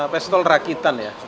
pestolnya airsoft kan apa